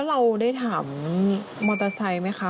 เราได้ถามมอเตอร์ไซค์ไหมคะ